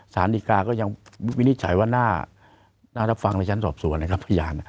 สารดีกาก็ยังวินิจฉัยว่าน่ารับฟังในชั้นสอบสวนนะครับพยาน